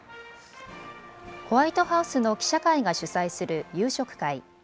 ホワイトハウスの記者会が主催する夕食会。